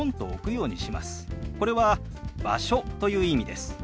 これは「場所」という意味です。